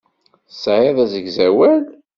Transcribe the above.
Tesɛiḍ asegzawal?